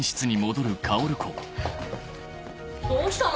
どうしたの？